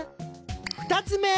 ２つ目。